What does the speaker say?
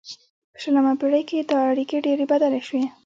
په شلمه پیړۍ کې دا اړیکې ډیرې بدلې شوې